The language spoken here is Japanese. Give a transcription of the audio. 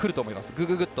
ぐぐぐっと。